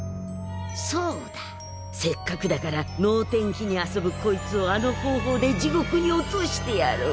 そうだせっかくだから能天気に遊ぶこいつをあの方法で地獄に落としてやろう。